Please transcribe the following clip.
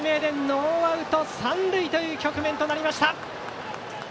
ノーアウト三塁という局面となりました。